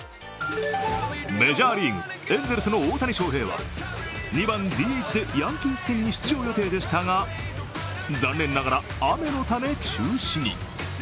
メジャーリーグ、エンゼルスの大谷翔平は２番ＤＨでヤンキース戦に出場予定でしたが残念ながら、雨のため中止に。